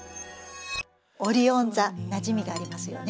オリオン座なじみがありますよね？